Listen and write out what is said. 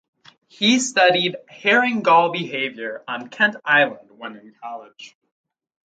He studied herring gull behavior on Kent Island while in college.